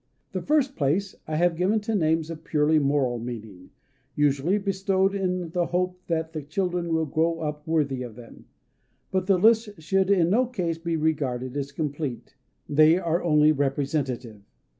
The first place I have given to names of purely moral meaning, usually bestowed in the hope that the children will grow up worthy of them. But the lists should in no case be regarded as complete: they are only representative.